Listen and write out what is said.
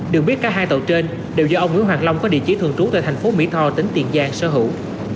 được biết cả hai tàu trên đều do ông nguyễn hoàng long có địa chỉ thường trú tại thành phố mỹ tho tỉnh tiền giang sở hữu